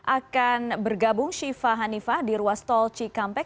akan bergabung shiva hanifah di ruas tol cikampek